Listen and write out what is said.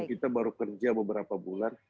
kita baru kerja beberapa bulan